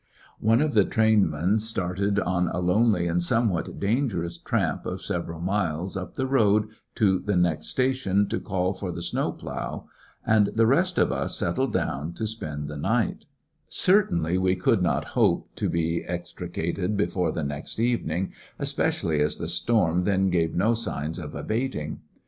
One of the trainmen started on a lonely and somewhat dangerous tramp of several miles up the road to the next station to call for the snow plough, and the rest of us settled 174 ]jAisshnarY in t^e Great West down to spend tlie night Certainly we could not hope to be extricated before the next evening, especially as the storm then gave no signs of abating.